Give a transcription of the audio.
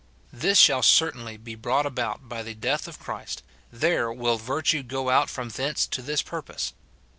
This shall certainly be brought about by the death of Christ ; there will virtue go out from thence to this pur pose.